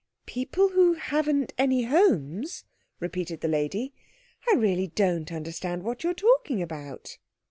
"People who haven't any homes?" repeated the lady. "I really don't understand what you're talking about."